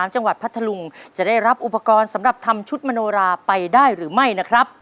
จังหวัดพัทธลุงจะได้รับอุปกรณ์สำหรับทำชุดมโนราไปได้หรือไม่นะครับ